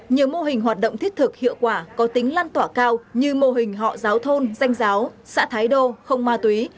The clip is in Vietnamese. nhiều mô hình hoạt động thiết thực hiệu quả có tính lan tỏa cao như mô hình họ giáo thôn danh giáo xã thái đô không ma túy